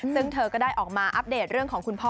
ซึ่งเธอก็ได้ออกมาอัปเดตเรื่องของคุณพ่อ